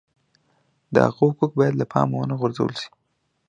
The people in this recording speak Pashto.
د هغه حقوق باید له پامه ونه غورځول شي.